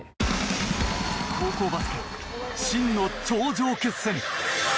高校バスケ、真の頂上決戦。